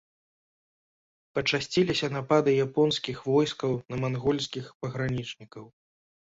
Пачасціліся напады японскіх войскаў на мангольскіх пагранічнікаў.